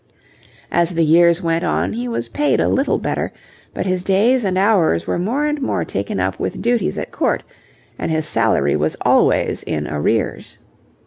As the years went on he was paid a little better, but his days and hours were more and more taken up with duties at Court, and his salary was always in arrears.